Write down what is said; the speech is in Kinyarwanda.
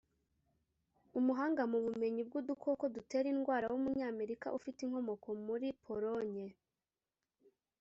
umuhanga mu bumenyi bw’udukoko dutera indwara w’umunyamerika ufite inkomoko muri Pologne